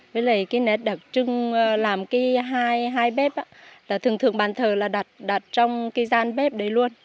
với lại cái nét đặc trưng làm cái hai bếp là thường thường bàn thờ là đặt trong cái gian bếp đấy luôn